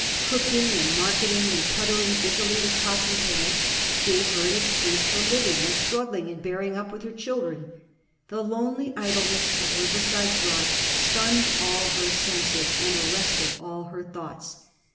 Cooking and marketing and puttering busily with pots and pans gave her an excuse for living and struggling and bearing up with her children. The lonely idleness of Riverside Drive stunned all her senses and arrested all her thoughts.